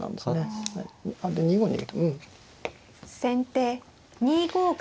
先手２五角。